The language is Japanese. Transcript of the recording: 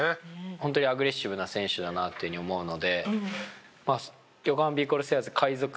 ホントにアグレッシブな選手だなっていうふうに思うので。